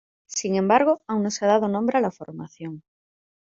Sin embargo, aún no se ha dado nombre a la formación.